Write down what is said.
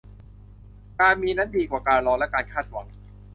การมีนั้นดีกว่าการรอและการคาดหวัง